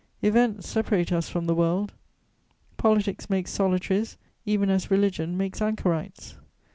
Events separate us from the world; politics make solitaries, even as religion makes anchorites.